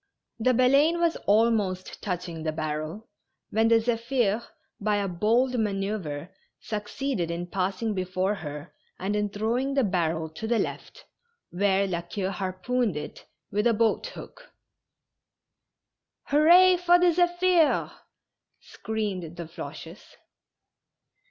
The Baleine was almost touching the barrel, when the Zephir^ by a bold manoeuvre, succeeded in passing before her and in throw ing the barrel to the left, where La Queue harpooned it with a boat hook. " Hurrah for the Zephir I " screamed the Floches.